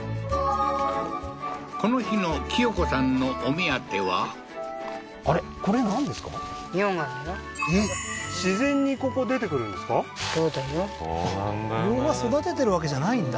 この日のきよ子さんのお目当ては茗荷育ててるわけじゃないんだ